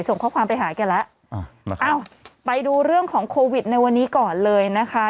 ส่งข้อความไปหาแกแล้วอ้าวไปดูเรื่องของโควิดในวันนี้ก่อนเลยนะคะ